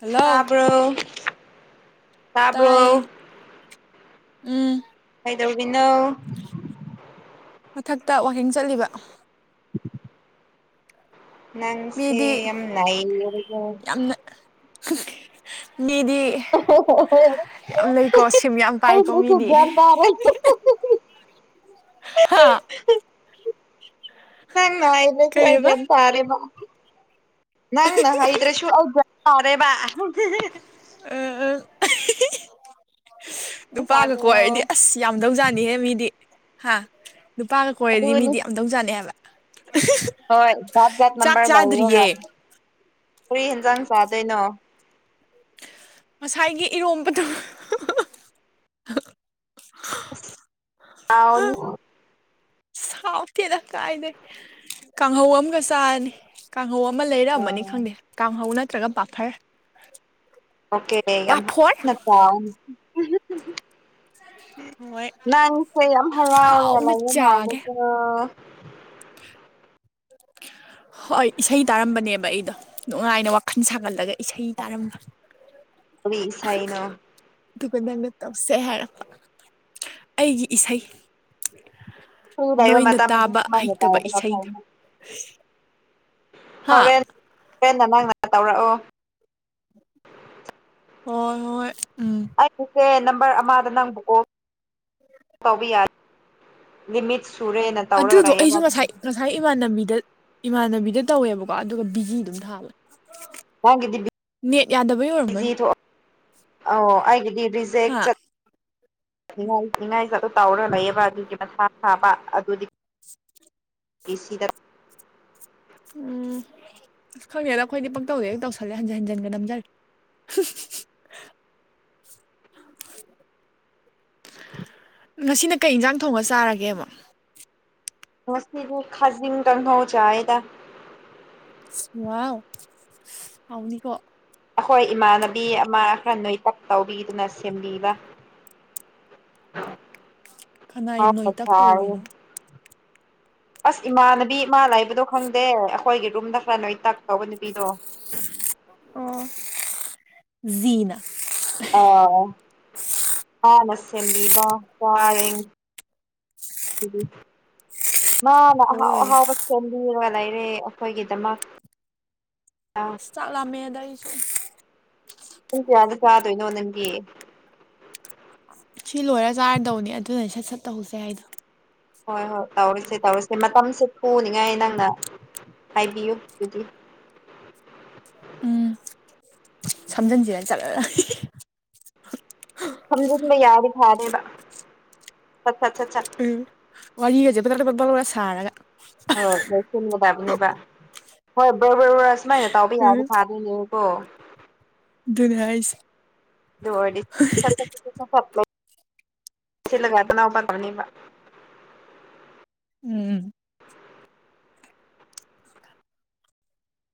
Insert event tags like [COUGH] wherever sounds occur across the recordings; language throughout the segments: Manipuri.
ꯍꯜꯂꯣ ꯇꯥꯕ꯭ꯔꯣ ꯇꯥꯏꯌꯦ ꯇꯥꯕ꯭ꯔꯣ ꯎꯝ ꯀꯩꯗꯧꯔꯤꯅꯣ ꯃꯊꯛꯇ ꯋꯥꯀꯤꯡ ꯆꯠꯂꯤꯕ [INAUDIBLE] ꯅꯪꯁꯦ ꯃꯤꯗꯤ ꯌꯥꯝ ꯂꯩ [UNINTELLIGIBLE] ꯃꯤꯗꯤ ꯌꯥꯝ ꯂꯩꯀꯣ ꯁꯤꯝ ꯌꯥꯝ ꯄꯥꯏꯀꯣ ꯑꯩꯕꯨꯁꯨ ꯃꯤꯗꯤ ꯒ꯭ꯌꯥꯟ ꯍꯥꯥ ꯅꯪꯅ ꯍꯥꯏꯗ꯭ꯔꯁꯨ ꯑꯩ ꯀꯩꯑꯕ ꯒ꯭ꯌꯥꯟ ꯇꯥꯔꯦꯕ ꯅꯪꯅ ꯍꯥꯏꯗ꯭ꯔꯁꯨ ꯑꯩ ꯒ꯭ꯌꯥꯟ ꯇꯥꯔꯦꯕ ꯑ ꯑ ꯅꯨꯄꯥꯒ ꯀꯣꯏꯔꯗꯤ ꯑꯁ ꯌꯥꯝꯗꯧ ꯖꯥꯠꯅꯤꯍꯦ ꯃꯤꯗꯤ ꯍꯥ ꯅꯨꯄꯥꯒ ꯀꯣꯏꯔꯗꯤ ꯑꯗꯨꯅꯤ ꯃꯤꯗꯤ ꯌꯥꯝꯗꯧꯖꯥꯠꯅꯤ ꯍꯥꯏꯕ [UNINTELLIGIBLE] ꯍꯣꯏ ꯖꯥꯠ ꯖꯥꯠ ꯆꯥꯛ ꯅꯝꯕꯔ ꯆꯥꯗ꯭ꯔꯤꯌꯦ ꯂꯧꯔꯒ ꯀꯔꯤ ꯌꯦꯟꯖꯥꯡ ꯆꯥꯗꯣꯏꯅꯣ ꯉꯁꯥꯏꯒꯤ ꯏꯔꯣꯝꯕꯗꯣ꫰ ꯎꯁ ꯍꯥꯎꯅꯤ ꯍꯥꯎꯇꯦꯗ ꯀꯥꯏꯗꯩ ꯀꯥꯡꯍꯧ ꯑꯃꯒ ꯆꯥꯔꯅꯤ ꯀꯥꯡꯍꯧ ꯑꯃ ꯂꯩꯔꯛꯑꯃꯅꯤ ꯈꯪꯗꯦ ꯑꯣꯀꯦ ꯀꯥꯡꯍꯧ ꯅꯠꯇ꯭ꯔꯒ ꯄꯥꯐꯔ ꯑꯣꯀꯦ ꯌꯥꯝꯠꯇ ꯄꯥꯐꯣꯔ [UNINTELLIGIBLE] ꯍꯥꯎꯔꯅꯤ ꯍꯣꯏ ꯅꯪꯁꯦ ꯌꯥꯝ ꯍꯔꯥꯎꯔ ꯍꯥꯎꯅ ꯂꯩꯕ ꯆꯥꯒꯦ ꯃꯥꯜꯂꯦꯀꯣ [INAUDIBLE] ꯍꯣꯏ ꯏꯁꯩ ꯇꯥꯔꯝꯕꯅꯦꯕ ꯑꯩꯗꯣ ꯅꯨꯡꯉꯥꯏꯅ ꯋꯥꯈꯜ ꯁꯥꯒꯠꯂꯒ ꯏꯁꯩ ꯇꯥꯔꯝꯕ ꯀꯔꯤ ꯏꯁꯩꯅꯣ ꯑꯗꯨꯒ ꯅꯪꯅ ꯇꯧꯁꯦ ꯍꯥꯏꯔꯛꯄ ꯑꯩꯒꯤ ꯏꯁꯩ ꯐ꯭ꯔꯤ ꯂꯩꯕ ꯅꯣꯏꯅ ꯃꯇꯝꯗꯗꯤ ꯇꯥꯕ ꯁꯨꯃꯥꯏꯅ ꯍꯩꯇꯕ ꯇꯧꯕꯅ ꯏꯁꯩꯗꯣ ꯍꯥ ꯍꯣꯔꯦꯟ ꯍꯣꯔꯦꯟꯅ ꯅꯪꯅ ꯇꯧꯔꯛꯑꯣ ꯍꯣꯏ ꯍꯣꯏ ꯎꯝ ꯑꯩꯒꯤꯁꯦ ꯅꯝꯕꯔ ꯑꯃꯗ ꯅꯪꯕꯨ ꯀꯣꯜ ꯇꯧꯕ ꯌꯥꯗꯦ ꯂꯤꯃꯤꯠ ꯁꯨꯔꯦ ꯅ ꯑꯗꯨꯗꯣ ꯑꯩꯁꯨ ꯉꯁꯥꯏ ꯉꯁꯥꯏ ꯏꯃꯥꯟꯅꯕꯤꯗ ꯏꯃꯥꯟꯅꯕꯤꯗ ꯇꯧꯋꯦꯕꯀꯣ ꯑꯗꯨꯒ ꯕꯤꯖꯤ ꯑꯗꯨꯝ ꯊꯥꯕꯅꯦ ꯅꯪꯒꯤꯗꯤ ꯕꯤꯖꯤ ꯊꯣꯛ ꯑ ꯑꯩꯒꯤꯗꯤ ꯔꯤꯖꯦꯛ ꯍꯥ ꯆꯠ ꯅꯤꯡꯉꯥꯏ ꯅꯤꯡꯉꯥꯏ ꯑꯗꯨ ꯇꯧꯔ ꯂꯩꯌꯦꯕ ꯑꯗꯨꯒꯤ ꯃꯊꯥ ꯁꯥꯥꯕ ꯑꯗꯨꯗꯤ ꯑꯦꯁꯤꯗ ꯎꯝ ꯑꯁ ꯈꯪꯗꯦꯗ ꯑꯩꯈꯣꯏꯗꯤ ꯄꯪꯇꯧꯗ ꯍꯦꯛ ꯇꯧꯁꯜꯂꯦ ꯍꯟꯖꯤꯟ ꯍꯟꯖꯤꯟꯒ ꯅꯝꯖꯤꯜꯂꯦ [INAUDIBLE] ꯉꯁꯤꯅ ꯀꯩ ꯌꯦꯟꯖꯥꯡ ꯊꯣꯡꯉ ꯆꯥꯔꯒꯦꯕ ꯉꯁꯤꯗꯨ ꯈꯖꯤꯡ ꯀꯡꯍꯧ ꯆꯥꯌꯦꯗ ꯏꯁ ꯋꯥꯎ ꯍꯥꯎꯅꯤ ꯀꯣ ꯑꯩꯈꯣꯏ ꯏꯃꯥꯟꯅꯕꯤ ꯑꯃ ꯈꯔ ꯅꯣꯏꯇꯛ ꯇꯧꯕꯤꯗꯨꯅ ꯁꯦꯝꯕꯤꯕ ꯀꯅꯥꯏ ꯍ ꯅꯣꯏꯇꯛ ꯊ ꯇꯧꯔꯤꯅꯣ [UNINTELLIGIBLE] ꯑꯁ ꯏꯃꯥꯅꯕꯤ ꯑꯃ ꯂꯩꯕꯗꯣ ꯈꯪꯗꯦ ꯑꯩꯈꯣꯏꯒꯤ ꯔꯨꯝꯗ ꯈꯔ ꯅꯣꯏꯇꯛ ꯇꯧꯕ ꯅꯨꯄꯤꯗꯣ ꯑꯣ ꯖꯤꯅ ꯑꯥ ꯃꯥꯅ ꯁꯦꯝꯕꯤꯕ ꯋꯥꯔꯦꯡ ꯎ [UNINTELLIGIBLE] ꯃꯥꯅ ꯑꯣ ꯑꯍꯥꯎ ꯑꯍꯥꯎꯕ ꯁꯦꯝꯕꯤꯔ ꯂꯩꯔꯦ ꯑꯩꯈꯣꯏꯒꯤꯗꯃꯛ ꯑ ꯆꯥꯛ ꯂꯥꯃꯦꯗ ꯑꯩꯁꯨ ꯄꯨꯡ ꯀꯌꯥꯗ ꯆꯥꯗꯣꯏꯅꯣ ꯅꯪꯗꯤ ꯁꯤ ꯂꯣꯏꯔ ꯆꯥꯔꯗꯧꯅꯤ ꯑꯗꯨꯅꯅꯦ ꯁꯠ ꯁꯠ ꯇꯧꯍꯧꯁꯦ ꯍꯥꯏꯗꯣ ꯍꯣꯏ ꯍꯣꯏ ꯇꯧꯔꯁꯦ ꯇꯧꯔꯁꯦ ꯃꯇꯝꯁꯦ ꯄꯨꯅꯤꯡꯉꯥꯏ ꯅꯪꯅ ꯍꯥꯏꯕꯤꯌꯨ ꯑꯗꯨꯗꯤ ꯎꯝ ꯁꯝꯖꯟꯖꯤꯔ ꯖꯔꯔ ꯑꯍꯤꯍꯤ ꯁꯃꯖꯤꯟꯕ ꯌꯥꯔꯗꯤ ꯐꯅꯤꯕꯥ ꯁꯠ ꯁꯠ ꯁꯠ ꯁꯠ ꯎꯝ ꯋꯔꯤꯒꯥꯖꯦ ꯕꯗꯕꯗ ꯕꯔ ꯕꯔ ꯁꯥꯔꯒ ꯍꯣꯏ ꯂꯣꯏꯁꯤꯟꯒꯗꯕꯅꯦꯕ ꯍꯣꯏ ꯕꯔꯕꯔ ꯔ ꯁꯨꯃꯥꯏꯅ ꯇꯥꯎꯕ ꯎꯝ ꯌꯥꯔꯗꯤ ꯐꯗꯧꯕ ꯌꯦꯉꯣꯀꯣ ꯗꯨꯅꯦ ꯍꯥꯏꯁꯦ ꯗꯨ ꯑꯣꯏꯔꯗꯤ ꯐꯠ ꯐꯠ ꯐꯠ ꯐꯠ ꯂꯣꯏꯁꯤꯟꯂꯒ [UNINTELLIGIBLE] ꯎꯝ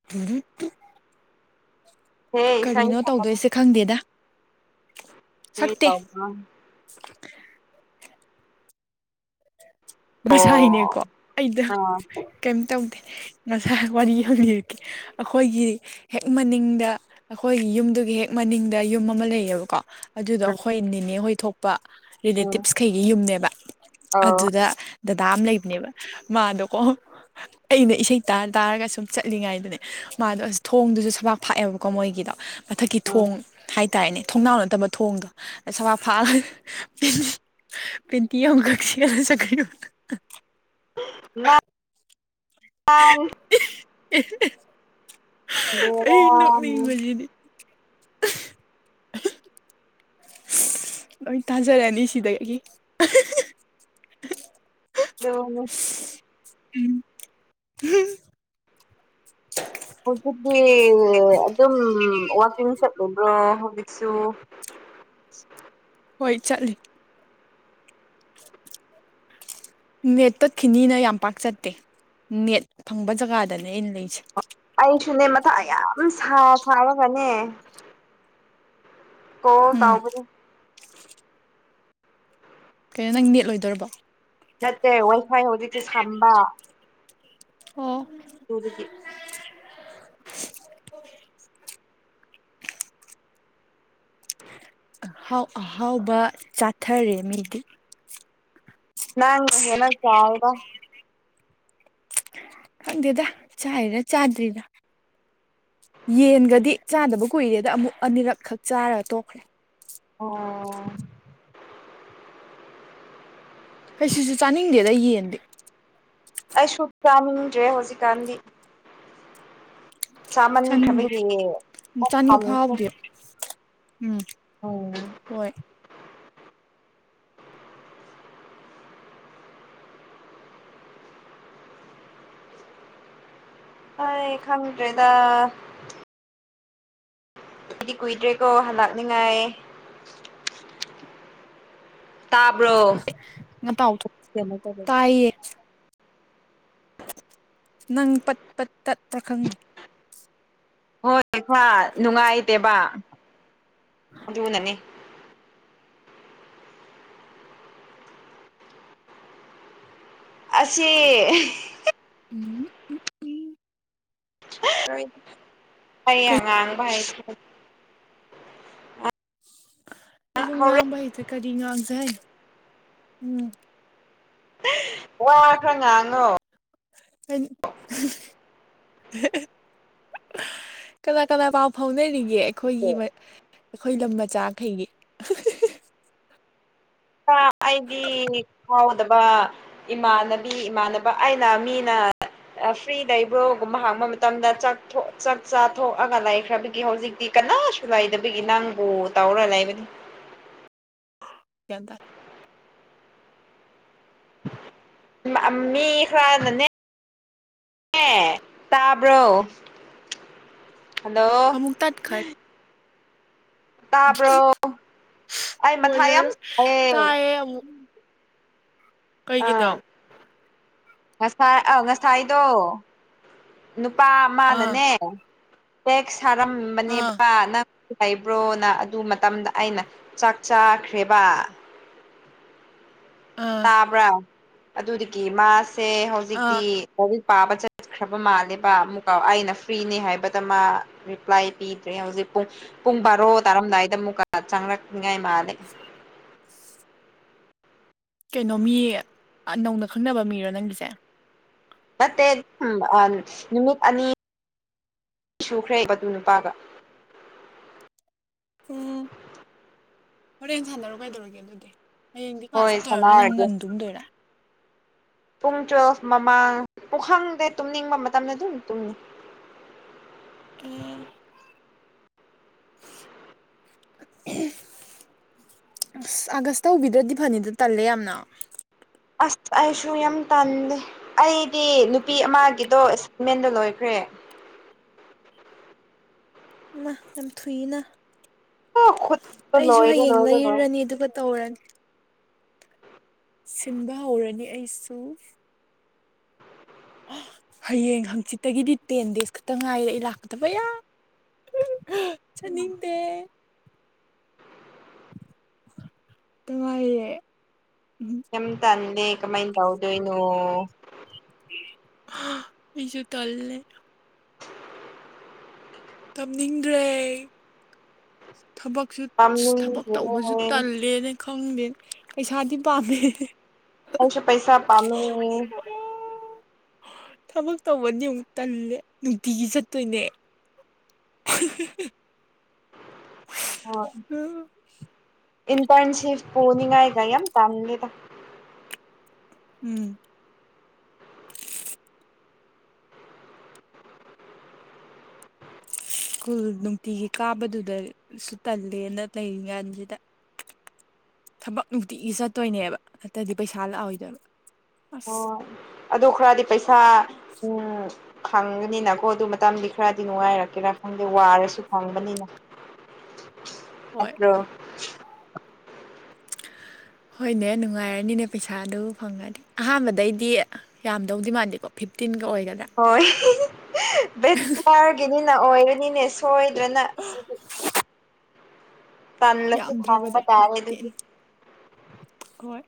[UNINTELLIGIBLE] ꯍꯦ ꯏꯁꯩ ꯀꯔꯤꯅꯣ ꯁꯛꯀꯅꯨ ꯇꯧꯗꯣꯏꯁꯦ ꯈꯪꯗꯦꯗ ꯀꯔꯤ ꯁꯛꯇꯦ ꯇꯧꯕꯥꯔ ꯑꯣ ꯉꯁꯥꯏꯅꯦꯀꯣ ꯑꯩꯗ ꯑꯥ ꯀꯦꯝ ꯇꯧꯗꯦ ꯉꯁꯥꯏ ꯋꯥꯔꯤ ꯑꯝ ꯂꯤꯔꯛꯀꯦ ꯑꯩꯈꯣꯏꯒꯤ ꯍꯦꯛ ꯃꯅꯤꯡꯗ ꯑꯩꯈꯣꯏꯒꯤ ꯌꯨꯝꯗꯨꯒꯤ ꯍꯦꯛ ꯃꯅꯤꯡꯗ ꯌꯨꯝ ꯑꯃ ꯂꯩꯌꯦꯕꯀꯣ ꯑꯗꯨꯗꯣ ꯎꯝ ꯑꯩꯈꯣꯏ ꯅꯤꯅꯦ ꯍꯣꯏ ꯊꯣꯛꯄ ꯎꯝ ꯔꯤꯂꯦꯇꯤꯞꯁꯈꯩꯒꯤ ꯌꯨꯝꯅꯦꯕ ꯑꯧ ꯑꯗꯨꯗ ꯗꯗꯥ ꯑꯃ ꯂꯩꯕꯅꯦꯕ ꯃꯥꯗꯣꯀꯣ ꯑꯩꯅ ꯏꯁꯩ ꯇꯥ ꯇꯥꯔꯒ ꯁꯨꯝ ꯆꯠꯂꯤꯉꯥꯏꯗꯅꯦ ꯃꯥꯗꯣ ꯑꯁ ꯊꯣꯡꯗꯨꯁꯨ ꯁꯕꯥꯛ ꯐꯥꯛꯑꯦꯕꯀꯣ ꯃꯣꯏꯒꯤꯗꯣ ꯃꯊꯛꯀꯤ ꯊꯣꯡ ꯎꯝ ꯍꯥꯏꯇꯥꯔꯦꯅꯦ ꯊꯣꯡꯅꯥꯎ ꯅꯠꯇꯕ ꯊꯣꯡꯗꯣ ꯁꯕꯥꯛ ꯐꯥꯛꯑꯒ ꯄꯦꯟꯇꯤ ꯑꯃꯥꯈꯛ ꯁꯦꯠꯂꯥ ꯆꯠꯈꯔ꯭ꯤꯕꯥ [INAUDIBLE] [UNINTELLIGIBLE] ꯑꯩ ꯕꯦꯔꯥꯅꯤ ꯅꯣꯛꯅꯤꯡꯕꯖꯤꯗꯤ ꯂꯣꯏ ꯇꯥꯖꯔꯅꯤ ꯁꯤꯗꯩꯗꯤ ꯑꯗꯨ [UNINTELLIGIBLE] ꯎꯝ ꯊ [UNINTELLIGIBLE] ꯍꯧꯖꯤꯛꯇꯤ [UNINTELLIGIBLE] ꯑꯗꯨꯝ ꯋꯥꯀꯤꯡ ꯆꯠꯂꯨꯕ꯭ꯔꯣ ꯍꯧꯖꯤꯛꯁꯨ ꯍꯣꯏ ꯆꯠꯂꯤ ꯅꯦꯠ ꯇꯠꯈꯤꯅꯤꯅ ꯌꯥꯝ ꯄꯥꯛ ꯆꯠꯇꯦ ꯅꯦꯠ ꯐꯪꯕ ꯖꯒꯥꯗꯅꯦ ꯑꯩꯅ ꯂꯩꯁꯦ ꯑꯩꯁꯨꯅꯦ ꯃꯊꯥ ꯌꯥꯝ ꯁꯥ ꯁꯥꯔꯒꯅꯦ ꯀꯣꯜ ꯎꯝ ꯇꯥꯎꯕꯅꯤ ꯀꯩꯅꯣ ꯅꯪ ꯅꯦꯠ ꯂꯣꯏꯗꯣꯔꯕꯣ ꯅꯠꯇꯦ ꯋꯥꯏꯐꯥꯏ ꯍꯧꯖꯤꯛꯁꯨ ꯁꯝꯕ ꯑꯣ ꯇꯨꯒꯤꯅꯤ ꯑꯍꯥꯎ ꯑꯍꯥꯎꯕ ꯆꯥꯊꯔꯦ ꯃꯤꯗꯤ ꯅꯪ ꯍꯦꯟꯅ ꯆꯥꯎꯕꯥ ꯈꯪꯗꯦꯗ ꯆꯥꯏꯔ ꯆꯥꯗ꯭ꯔꯤꯔ ꯌꯦꯟꯒꯗꯤ ꯆꯥꯗꯕ ꯀꯨꯏꯔꯦꯗ ꯑꯃꯨꯛ ꯑꯅꯤꯔꯛꯈꯛ ꯆꯥꯔꯒ ꯇꯣꯛꯈ꯭ꯔꯦ ꯑꯣ ꯀꯩꯁꯨꯁꯨ ꯆꯥꯅꯤꯡꯗꯦꯗ ꯌꯦꯟꯗꯤ ꯑꯩꯁꯨ ꯆꯥꯅꯤꯡꯗ꯭ꯔꯦ ꯍꯧꯖꯤꯛꯀꯥꯟꯗꯤ ꯆꯥꯅꯤꯡꯗꯦ ꯆꯥꯃꯟꯈ꯭ꯔꯕꯒꯤ ꯄꯨꯛ ꯆꯥꯅꯤꯡꯕ ꯊꯟꯈ꯭ꯔꯦ ꯐꯥꯎꯗꯦ ꯎꯝ ꯎꯝ ꯍꯣꯏ ꯍꯣꯏ ꯈꯪꯗ꯭ꯔꯦꯗ ꯀꯨꯏꯗꯤ ꯀꯨꯏꯗ꯭ꯔꯦꯀꯣ ꯍꯂꯥꯛꯅꯤꯉꯥꯏ ꯇꯥꯕ꯭ꯔꯣ ꯑꯩ [UNINTELLIGIBLE] ꯅꯪ ꯄꯠ ꯄꯠ ꯇꯠꯄꯔ ꯈꯪꯗꯦ ꯍꯣꯏꯕ ꯅꯨꯡꯉꯥꯏꯇꯦꯕ ꯑꯗꯨꯅꯅꯦ ꯑꯁꯤ ꯎꯝ ꯎꯝ ꯍꯩ ꯑꯉꯥꯡꯕ ꯍꯥꯏ ꯑꯩꯁꯨ ꯍꯣꯔꯦꯟ ꯉꯥꯡꯕ ꯍꯩꯇ꯭ꯔꯦ ꯀꯔꯤ ꯉꯥꯡꯁꯦ ꯍꯥꯏꯅꯣ ꯋꯥ ꯈꯔ ꯉꯥꯡꯉꯣ [UNINTELLIGIBLE] ꯀꯅꯥ ꯀꯅꯥ ꯄꯥꯎ ꯐꯥꯎꯅꯔꯤꯒꯦ ꯑꯩꯈꯣꯏꯒꯤ ꯑꯩꯈꯣꯏ ꯂꯝ ꯃꯆꯥꯈꯩꯒꯤ ꯈꯔ ꯑꯩꯗꯤ ꯀꯥꯎꯗꯕ ꯏꯃꯥꯟꯅꯕꯤ ꯏꯃꯥꯟꯅꯕ ꯑꯩꯅ ꯃꯤꯅ ꯐ꯭ꯔꯤ ꯂꯩꯕ꯭ꯔꯣ ꯒꯨꯝꯕ ꯍꯪꯕ ꯃꯇꯝꯗ ꯆꯥꯛ ꯆꯥꯊꯣꯛꯑꯒ ꯂꯩꯈ꯭ꯔꯕꯒꯤ ꯍꯧꯖꯤꯛꯇꯤ ꯀꯅꯥꯁꯨ ꯂꯩꯥꯗꯕꯒꯤ ꯅꯪꯕꯨ ꯇꯧꯔ ꯂꯩꯕꯅꯤ ꯒ꯭ꯌꯥꯟ ꯇꯥ ꯃꯤ ꯈꯔ ꯅꯅꯦ ꯑꯦ ꯇꯥꯕ꯭ꯔꯣ ꯍꯜꯂꯣ ꯑꯃꯨꯛ ꯇꯠꯈ꯭ꯔꯦ [INAUDIBLE] ꯇꯥꯕ꯭ꯔꯣ ꯑꯩ ꯃꯊꯥꯏ ꯌꯥꯝ ꯑꯣꯏꯔꯔꯣꯏ ꯁꯥꯏꯌꯦ ꯇꯥꯏꯌꯦ ꯑꯃꯨꯛ ꯀꯩꯒꯤꯅꯣ ꯑꯥ ꯉꯁꯥꯏ ꯑ ꯉꯁꯥꯏꯗꯣ ꯅꯨꯄꯥ ꯑꯥ ꯑꯃꯅꯅꯦ ꯇꯦꯛꯁ ꯑꯥ ꯁꯥꯔꯝꯕꯅꯦꯕ ꯅꯪ ꯂꯩꯕ꯭ꯔꯣꯅ ꯑꯗꯨ ꯃꯇꯝꯗ ꯑꯩꯅ ꯆꯥꯛ ꯆꯥꯈ꯭ꯔꯦꯕ [INAUDIBLE] ꯑꯥ ꯇꯥꯕ꯭ꯔꯥ ꯑꯗꯨꯗꯒꯤ ꯃꯥꯁꯦ ꯑꯥ ꯍꯧꯖꯤꯛꯇꯤ ꯂꯥꯏꯔꯤꯛ ꯄꯥꯕ ꯆꯠ ꯕ ꯃꯥꯜꯂꯦꯕ ꯑꯃꯨꯛꯀꯥꯎ ꯑꯩꯅ ꯐ꯭ꯔꯤꯅꯦ ꯍꯥꯏꯕꯗ ꯃꯥ ꯔꯤꯄ꯭ꯂꯥꯏ ꯄꯤꯗ꯭ꯔꯦ ꯍꯧꯖꯤꯛ ꯄꯨꯡ ꯄꯨꯡ ꯕꯥꯔꯣ ꯇꯥꯔꯝꯗꯥꯏꯗ ꯑꯃꯨꯛꯀ ꯆꯪꯂꯛꯅꯤꯉꯥꯏ ꯃꯥꯜꯂꯦ ꯀꯩꯅꯣ ꯃꯤ ꯅꯧꯅ ꯈꯪꯅꯕ ꯃꯤꯔꯣ ꯅꯪꯒꯤꯁꯦ ꯅꯠꯇꯦ ꯑ ꯅꯨꯃꯤꯠ ꯑꯅꯤ ꯁꯨꯈ꯭ꯔꯦ ꯃꯗꯨ ꯅꯨꯄꯥꯒ ꯎꯝ ꯍꯣꯔꯦꯟ ꯁꯥꯟꯅꯔꯣ ꯀꯥꯏꯗꯧꯔꯒꯦ ꯑꯗꯨꯗꯤ ꯍꯌꯦꯡꯗꯤ ꯀ꯭ꯂꯥꯁ ꯍꯣꯏ ꯆꯠꯇꯧꯔ ꯅꯣꯏ ꯅꯪ ꯁꯥꯟꯅꯔꯒꯦ ꯉꯟ ꯇꯨꯝꯗꯣꯏꯔꯥ ꯄꯨꯡ ꯇꯨꯋꯦꯜꯐ ꯃꯃꯥꯡ ꯄꯨꯈꯪꯗꯦ ꯇꯨꯝꯅꯤꯡꯕ ꯃꯇꯝꯗ ꯑꯗꯨꯝ ꯇꯨꯝꯅꯤ [INAUDIBLE] ꯑꯁ ꯑꯥꯒꯁ ꯇꯧꯕꯤꯗ꯭ꯔꯗꯤ ꯐꯅꯤꯗ ꯇꯜꯂꯦ ꯌꯥꯝꯅ ꯑꯁ ꯑꯩꯁꯨꯨ ꯌꯥꯝ ꯇꯥꯟꯂꯦ ꯑꯩꯗꯤ ꯅꯨꯄꯤ ꯑꯃꯒꯤꯗꯣ ꯑꯦꯁꯥꯏꯟꯃꯦꯟꯗꯣ ꯂꯣꯏꯈ꯭ꯔꯦ ꯑ ꯌꯥꯝ ꯊꯨꯏꯅ ꯑꯣ ꯈꯨꯠꯇꯣ ꯑꯩꯁꯨ ꯂꯣꯏꯔꯦ ꯍꯌꯦꯡ ꯂꯣꯏꯔꯦ ꯂꯣꯏꯔꯦ ꯂꯩꯔꯨꯔꯅꯤ ꯑꯗꯨꯒ ꯇꯧꯔꯅꯤ ꯁꯤꯟꯕ ꯍꯧꯔꯅꯤ ꯑꯩꯁꯨ ꯍꯌꯦꯡ ꯍꯪꯆꯤꯠꯇꯒꯤꯗꯤ ꯇꯦꯟ ꯗꯦꯖ ꯈꯛꯇ ꯉꯥꯏꯔꯦ ꯑꯩ ꯂꯥꯛꯀꯗꯕ ꯌꯥ [UNINTELLIGIBLE] ꯆꯥꯅꯤꯡꯗꯦ ꯇꯉꯥꯏꯔꯦ ꯀꯝ ꯇꯗꯦ ꯀꯃꯥꯏꯅ ꯇꯧꯗꯣꯏꯅꯣ ꯑꯩꯁꯨ ꯇꯜꯂꯦꯗ ꯇꯨꯝꯅꯤꯡꯗ꯭ꯔꯦ ꯊꯕꯛꯁꯨ ꯊꯕꯛ ꯄꯥꯝꯃꯨꯏꯌꯦ ꯇꯧꯕꯁꯨ ꯇꯜꯂꯦꯅꯦ ꯈꯪꯗꯦ ꯄꯩꯁꯥꯗꯤ ꯄꯥꯝꯃꯦ ꯑꯩꯁꯨ ꯄꯩꯁꯥ ꯄꯥꯝꯃꯤ ꯊꯕꯛ ꯇꯧꯕꯗꯤ ꯑꯃꯨꯛ ꯇꯜꯂꯦ ꯅꯨꯡꯇꯤꯒꯤ ꯆꯠꯇꯣꯏꯅꯦ [INAUDIBLE] ꯍ ꯎꯝ ꯏꯟꯇꯔꯟꯁꯤꯞ ꯄꯣꯅꯤꯡꯉꯥꯏ ꯀ ꯌꯥꯝ ꯇꯥꯂꯤꯗ ꯎꯝ ꯁ꯭ꯀꯨꯜ ꯅꯨꯡꯇꯤꯒꯤ ꯀꯥꯕꯗꯨꯗꯁꯨ ꯇꯜꯂꯦꯅ ꯂꯩꯔꯤꯉꯥꯟꯁꯤꯗ ꯊꯕꯛ ꯅꯨꯡꯇꯤꯒꯤ ꯆꯠꯇꯣꯏꯅꯦꯕ ꯅꯠꯇ꯭ꯔꯗꯤ ꯄꯩꯁꯥ ꯂꯥꯛꯑꯣꯏꯗꯣꯏꯕ ꯑꯁ ꯍꯣꯏ ꯑꯗꯨ ꯈꯔꯗꯤ ꯄꯩꯁꯥ ꯎꯝ ꯐꯪꯕꯅꯤꯅꯀꯣ ꯑꯗꯨ ꯃꯇꯝꯗꯤ ꯈꯔꯗꯤ ꯅꯨꯡꯉꯥꯏꯔꯛꯀꯦꯔꯥ ꯈꯪꯗꯦ ꯋꯥꯔꯁꯨ ꯐꯪꯕꯅꯤꯅ ꯍꯣꯏ ꯅꯠꯇ꯭ꯔꯣ ꯍꯣꯏꯅꯦ ꯅꯨꯡꯉꯥꯏꯔꯅꯤꯅꯦ ꯄꯩꯁꯥꯗꯨ ꯐꯪꯉꯗꯤ ꯑꯍꯥꯟꯕꯗꯩꯗꯤ ꯌꯥꯝꯗꯧꯗꯤ ꯃꯥꯟꯗꯦꯀꯣ ꯐꯤꯞꯇꯤꯟꯒ ꯑꯣꯏꯒꯗ꯭ꯔꯥ ꯍꯣꯏ ꯕꯦꯔꯒꯤꯅꯤꯅ ꯑꯣꯏꯔꯅꯤꯅꯦ ꯁꯣꯏ ꯇꯜꯂꯥꯁꯨ ꯍꯪꯕꯥ ꯌꯥꯝꯗ꯭ꯔꯕꯗ ꯐꯤꯐꯇꯤꯟ ꯇꯔꯦꯗꯨꯗ ꯍꯣꯏ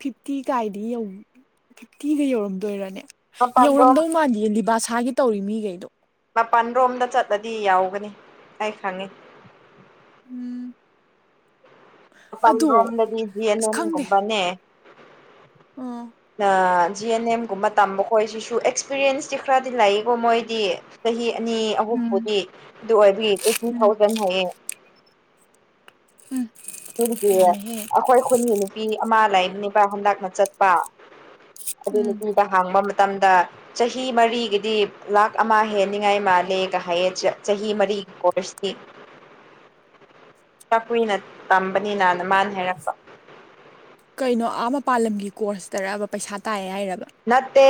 ꯐꯤꯐꯇꯤ ꯀꯥꯏꯗꯤ ꯐꯤꯐꯇꯤꯗ ꯌꯧꯔꯝꯗꯣꯏꯔꯅꯦ ꯃꯄꯥꯟꯔꯣꯝ ꯌꯧꯔꯝꯗꯧ ꯃꯟꯗꯤꯌꯦ ꯗꯤꯕꯥꯁꯥꯒꯤ ꯇꯧꯔꯤ ꯃꯤꯈꯩꯗꯣ ꯃꯥꯄꯜ ꯔꯣꯝꯗ ꯆꯠꯂꯗꯤ ꯌꯥꯎꯒꯅꯤ ꯑꯩ ꯈꯪꯉꯤ ꯑꯗꯣ ꯃꯄꯥꯟꯔꯣꯝꯗꯗꯤ ꯖꯤ ꯑꯦꯟ ꯑꯁ ꯈꯪꯗꯦ ꯑꯦꯝꯒꯨꯝꯕꯅꯦ ꯎꯝ ꯖꯤ ꯑꯦꯟ ꯑꯦꯝꯒꯨꯝꯕ ꯇꯝꯕ ꯈꯣ ꯁꯤꯁꯨ ꯑꯦꯛꯁꯄꯤꯔꯤꯌꯦꯟꯁꯇꯤ ꯈꯔꯗꯤ ꯂꯩꯀꯣ ꯃꯣꯏꯗꯤ ꯆꯍꯤ ꯑꯅꯤ ꯎꯝ ꯑꯍꯨꯝꯕꯨꯗꯤ ꯑꯗꯨ ꯑꯣꯏꯒꯤ ꯇ꯭ꯋꯦꯟꯇꯤ ꯎꯝ ꯊꯥꯎꯖꯟ ꯍꯥꯏꯌꯦ ꯎꯝ ꯑꯗꯨꯗꯤ ꯌꯥꯝꯃꯦꯍꯦ ꯑꯩꯈꯣꯏ ꯈꯨꯈꯟꯒꯤ ꯅꯨꯄꯤ ꯑꯃ ꯂꯥꯏꯕꯅꯦꯕ ꯍꯟꯗꯛꯅ ꯆꯠꯄ ꯑꯗꯨ ꯎꯝ ꯅꯨꯄꯤꯗ ꯍꯥꯡꯕ ꯃꯇꯝꯗ ꯆꯍꯤ ꯃꯔꯤꯒꯤꯗꯤ ꯂꯥꯛ ꯑꯃ ꯍꯦꯟꯅꯤꯉꯥꯏ ꯃꯥꯜꯂꯦꯒ ꯍꯥꯏꯌꯦ ꯆꯍꯤ ꯃꯔꯤꯒꯤ ꯀꯣꯔꯁꯇꯤ ꯆꯥꯛꯀꯨꯏꯅ ꯇꯝꯕꯅꯤꯅꯅ ꯃꯥꯅ ꯍꯥꯏꯔꯛꯄ ꯀꯩꯅꯣ ꯑꯥ ꯃꯄꯥꯥꯟꯂꯝꯒꯤ ꯀꯣꯔꯁꯇꯔꯕ ꯄꯩꯁꯥ ꯇꯥꯏꯌꯦ ꯍꯥꯏꯔꯕ ꯅꯠꯇꯦ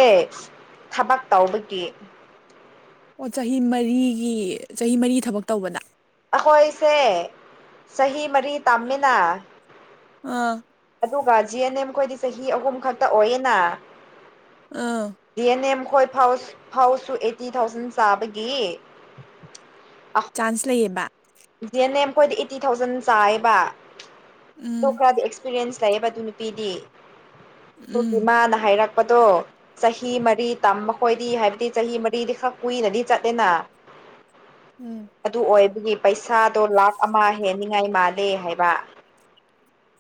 ꯊꯕꯛ ꯇꯧꯕꯒꯤ ꯑꯣ ꯆꯍꯤ ꯃꯔꯤꯒꯤ ꯆꯍꯤ ꯃꯔꯤ ꯊꯕꯛ ꯇꯧꯕꯅ ꯑꯩꯈꯣꯏꯁꯦ ꯆꯍꯤ ꯃꯔꯤ ꯇꯝꯃꯤꯅ ꯑꯥ ꯑꯗꯨꯒ ꯖꯤ ꯑꯦꯟ ꯑꯦꯝ ꯈꯈꯣꯏꯗꯤ ꯆꯍꯤ ꯑꯍꯨꯝ ꯈꯛꯇ ꯑꯣꯏꯌꯦꯅ ꯑꯥ ꯗꯤ ꯑꯦꯟ ꯑꯦꯝ ꯈꯣꯏ ꯐꯥꯎ ꯐꯥꯎꯁꯨ ꯑꯩꯠꯇꯤ ꯊꯥꯎꯖꯟ ꯆꯥꯕꯒꯤ ꯆꯥꯟꯁ ꯂꯩꯌꯦꯕ ꯖꯤ ꯑꯦꯟ ꯑꯦꯝ ꯑꯩꯈꯣꯏꯗ ꯑꯩꯠꯇꯤ ꯊꯥꯎꯖꯟ ꯆꯥꯏꯕ ꯑꯗꯣ ꯎꯝ ꯈꯔꯗꯤ ꯑꯦꯛꯁꯄꯤꯔꯤꯌꯦꯟꯁ ꯆꯕ ꯑꯗꯨ ꯅꯨꯄꯤꯗꯤ ꯎꯝ ꯑꯩ ꯃꯥꯅ ꯍꯥꯏꯔꯛ ꯍꯥꯏꯔꯛꯄꯥꯗꯣ ꯆꯍꯤ ꯃꯔꯤ ꯇꯝ ꯃꯈꯣꯏꯗꯤ ꯍꯥꯏꯕꯗꯤ ꯆꯍꯤ ꯃꯔꯤꯗꯤ ꯈꯛ ꯀꯨꯏꯅꯗꯤ ꯆꯠꯂꯦꯅ [UNINTELLIGIBLE] ꯎꯝ ꯑꯗꯨ ꯑꯣꯏꯕꯒꯤ ꯄꯩꯁꯥꯗꯣ ꯂꯥꯥꯛ ꯑꯃ ꯍꯦꯟꯅꯤꯉꯥꯏ ꯃꯥꯜꯂꯦ ꯍꯥꯏꯕ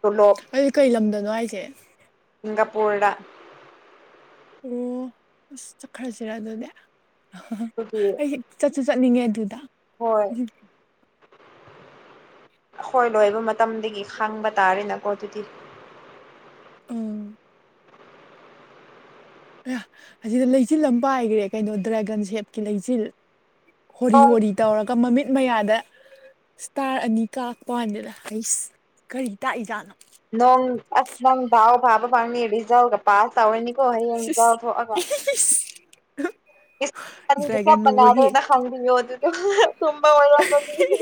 ꯇꯣꯂꯣꯞ ꯀꯩ ꯀꯩ ꯂꯝꯗꯅꯣ ꯍꯥꯏꯁꯦ ꯅꯞꯕꯣꯔꯥ ꯑꯣ ꯆꯠꯈ꯭ꯔꯥꯁꯤꯔ ꯑꯗꯨꯗꯤ ꯑꯗꯨꯒꯤ ꯑꯩ ꯆꯠꯁꯨ ꯆꯠꯅꯤꯡꯉꯦ ꯑꯗꯨꯗ ꯍꯣꯏ ꯑꯩꯈꯣꯏ ꯂꯣꯏꯕ ꯃꯇꯝꯗꯒꯤ ꯈꯥꯡꯕ ꯇꯥꯔꯦꯅꯦꯀꯣ ꯑꯗꯨꯗꯤ ꯎꯝ ꯑ ꯑꯁꯤꯗ ꯂꯩꯆꯤꯜ ꯑꯃꯥ ꯄꯥꯏꯒ꯭ꯔꯦ ꯀꯩꯅꯣ ꯗ꯭ꯔꯦꯒꯟ ꯁꯦꯞꯀꯤ ꯂꯩꯆꯤꯜ ꯍꯣꯔꯤ ꯅꯣꯡ ꯍꯣꯔꯤ ꯇꯧꯔꯒ ꯃꯃꯤꯠ ꯃꯌꯥꯗ ꯏꯁꯇꯥꯔ ꯑꯅꯤ ꯀꯥꯞꯄ ꯋꯥꯅꯤꯗ ꯍꯁ ꯀꯔꯤ ꯇꯥꯛꯏꯖꯥꯠꯅꯣ ꯅꯣꯡ ꯑꯁ ꯅꯪ ꯥꯎꯕ [UNINTELLIGIBLE] ꯐꯥꯕ ꯐꯪꯅꯤ ꯔꯤꯖꯜꯒ ꯄꯥꯁ ꯇꯧꯔꯅꯤ ꯑꯣ ꯍꯥꯌꯦꯡ [UNINTELLIGIBLE] ꯏꯁ ꯊꯑꯒ ꯏꯁ ꯑꯗꯤ ꯗ꯭ꯔꯦꯒꯟ ꯆꯞꯄ ꯎꯕꯒꯤ ꯉꯗꯣꯏꯅ ꯈꯪ ꯌꯣ ꯑꯗꯨꯗꯤ ꯇ ꯃ [UNINTELLIGIBLE]